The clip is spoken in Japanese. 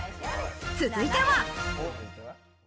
続いては。